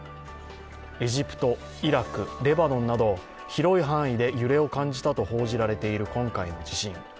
エジプト、イラク、レバノンなど広い範囲で揺れを感じたと報じられている今回の地震。